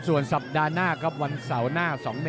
ส่วนสัปดาห์หน้าครับวันเสาร์หน้า๒๑